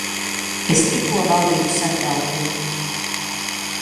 Es tikko valdīju satraukumu.